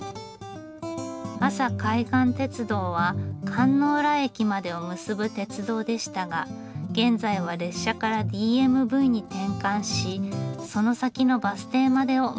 阿佐海岸鉄道は甲浦駅までを結ぶ鉄道でしたが現在は列車からＤＭＶに転換しその先のバス停までを結んでいます。